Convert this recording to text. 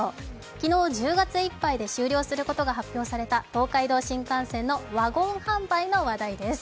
昨日１０月いっぱいで終了することが発表された東海道新幹線のワゴン販売が話題です。